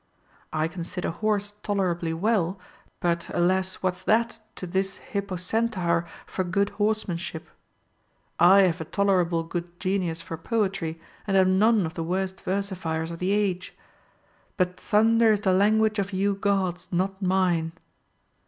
I can sit an horse tolerably well, but alas ! what's that to this Hippocentaur for good horsemanship ? I have a tol erable good genius for poetry, and am none of the worst versifiers of the age ; But thunder is the language of you Gods, not mine.